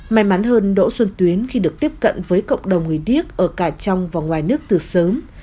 may mắn hơn đỗ xuân tuyến khi được tiếp cận với cộng đồng người điếc ở cả trong và ngoài nước từ sớm